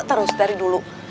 terus dari dulu